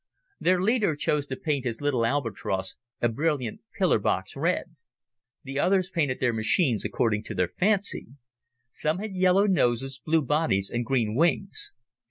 Their leader chose to paint his little Albatros a brilliant pillar box red. The others painted their machines according to their fancy. Some had yellow noses, blue bodies and green wings.